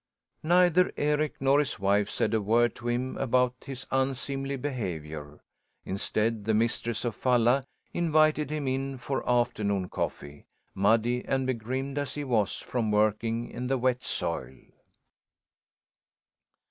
Neither Eric nor his wife said a word to him about his unseemly behaviour. Instead, the mistress of Falla invited him in for afternoon coffee, muddy and begrimed as he was from working in the wet soil.